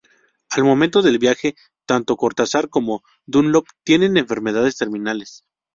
Al momento del viaje, tanto Cortázar como Dunlop tienen enfermedades terminales.